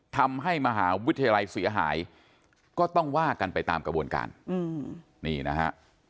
ทำให้มหาวิทยาลัยเสียหายก็ต้องว่ากันไปตามกระบวนการนี่นะฮะ